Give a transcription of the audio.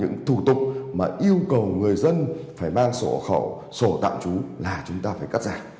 những thủ tục mà yêu cầu người dân phải mang sổ khẩu sổ tạm trú là chúng ta phải cắt giảm